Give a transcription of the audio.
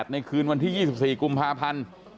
ในคืนวันที่๒๔กุมภาพันธ์